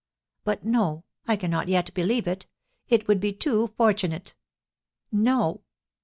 But, no, I cannot yet believe it; it would be too fortunate! No!"